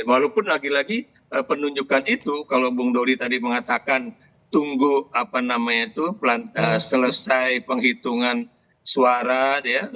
walaupun lagi lagi penunjukan itu kalau bung dori tadi mengatakan tunggu apa namanya itu selesai penghitungan suara ya